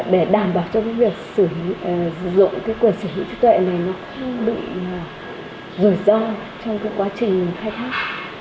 để đảm bảo cho cái việc sử dụng cái quyền sở hữu trí tuệ này nó bị rủi ro trong cái quá trình khai thác